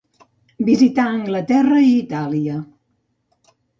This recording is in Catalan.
Visità Anglaterra i Itàlia.